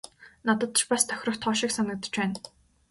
Надад ч бас тохирох тоо шиг санагдаж байна.